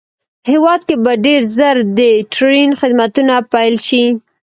هېواد کې به ډېر زر د ټرېن خدمتونه پېل شي